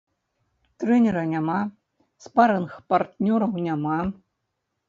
Трэнера няма, спарынг-партнёраў няма.